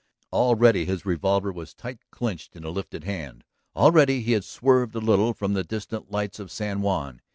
Already his revolver was tight clinched in a lifted hand. Already he had swerved a little from the distant lights of San Juan.